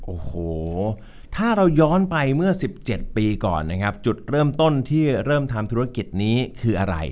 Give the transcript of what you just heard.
โอ้โหถ้าเราย้อนไปเมื่อ๑๗ปีก่อนนะครับจุดเริ่มต้นที่เริ่มทำธุรกิจนี้คืออะไร